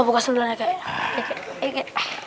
buka sendulannya kak ya